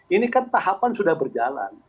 ini kan tahapan sudah berjalan